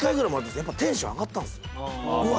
やっぱテンション上がったんですようわ！